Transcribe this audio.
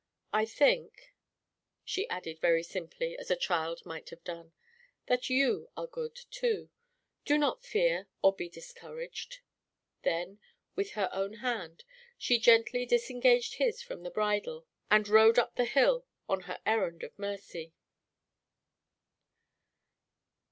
I think," she added very simply, as a child might have done, "that you are good, too. Do not fear or be discouraged." Then, with her own hand, she gently disengaged his from the bridle and rode up the hill on her errand of mercy.